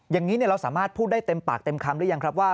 อย่างนี้เราสามารถพูดได้เต็มปากเต็มคำหรือยังครับว่า